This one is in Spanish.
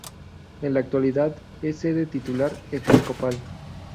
En la actualidad es sede titular episcopal.